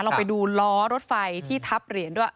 เราไปดูล้อรถไฟที่ทับเหรียญด้วย